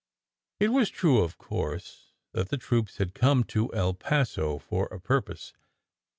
It was true, of course, that the troops had come to El Paso for a purpose.